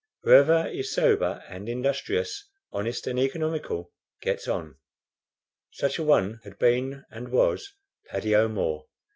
Whoever is sober and industrious, honest and economical, gets on. Such a one had been and was Paddy O'Moore.